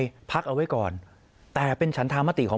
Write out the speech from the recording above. ยังไงพักเอาไว้ก่อนแต่เป็นฐานธรรมติของ